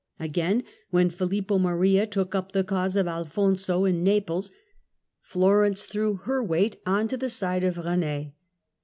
Again when Filippo Maria took up the cause of Alfonso in Naples, Florence threw her weight on to the side of Eene.